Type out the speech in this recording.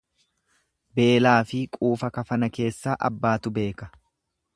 Beelaafi quufa kafana keessaa abbaatu beeka.